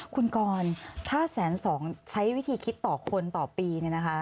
คุณกรถ้าแสนสองใช้วิธีคิดต่อคนต่อปี